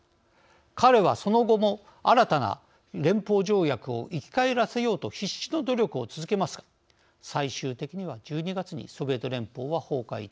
彼はその後も新たな連邦条約を生き返らせようと必死の努力を続けますが最終的には１２月にソビエト連邦は崩壊いたします。